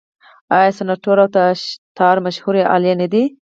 آیا سنتور او تار مشهورې الې نه دي؟